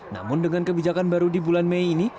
namun dengan kebijakan baru di bulan mei ini